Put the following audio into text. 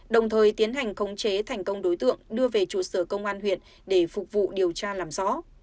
đồng thời tiến hành khống chế thành công đối tượng đưa về trụ sở công an huyện để phục vụ điều tra làm rõ